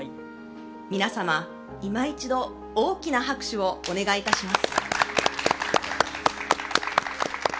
皆様、今一度大きな拍手をお願いいたします。